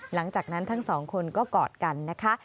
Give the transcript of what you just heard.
หลังจากนั้นทั้งสองคนก็กอดกันนะคะ